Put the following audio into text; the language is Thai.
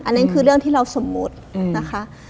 นั่นคือเรื่องที่เราสมมุตินะคะ